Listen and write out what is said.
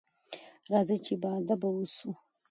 راځئ چې باادبه واوسو.